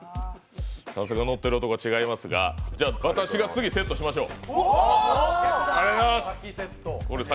さすが、ノってる男は違いますがじゃあ次、私が「セット」しましょう。